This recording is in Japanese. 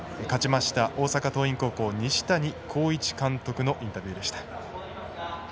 勝ちました大阪桐蔭高校西谷浩一監督のインタビューでした。